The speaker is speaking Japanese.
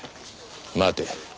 待て。